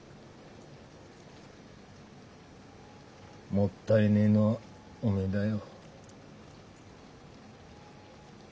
もったいねえのはおめえだよ。